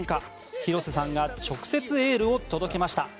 広瀬さんが直接エールを届けました。